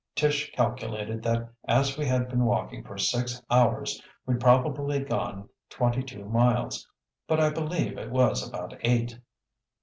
Tish calculated that as we had been walking for six hours we'd probably gone twenty two miles. But I believe it was about eight.